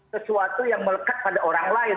sesuatu yang melekat pada orang lain